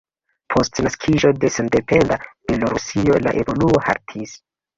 Post naskiĝo de sendependa Belorusio la evoluo haltis.